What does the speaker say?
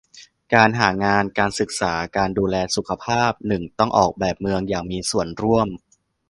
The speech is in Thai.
การหางาน การศึกษา การดูแลสุขภาพ หนึ่ง ต้องออกแบบเมืองอย่างมีส่วนร่วม